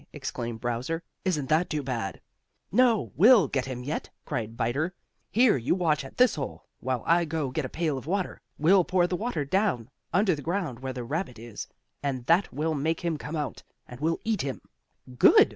exclaimed Browser. "Isn't that too bad?" "No, we'll get him yet!" cried Biter. "Here, you watch at this hole, while I go get a pail of water. We'll pour the water down, under the ground where the rabbit is, and that will make him come out, and we'll eat him." "Good!"